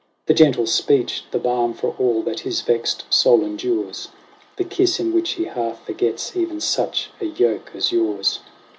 The gentle speech, the balm for all that his vexed soul endures. The kiss, in which he half forgets even such a yoke as yours.